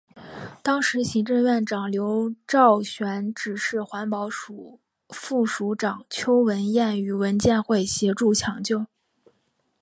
当时行政院长刘兆玄指示环保署副署长邱文彦与文建会协助抢救。